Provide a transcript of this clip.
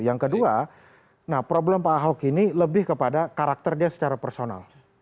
yang kedua problem pak ahok ini lebih kepada karakter dia secara personal